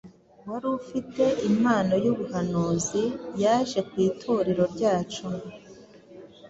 wari ufite impano y’ubuhanuzi yaje ku Itorero ryacu.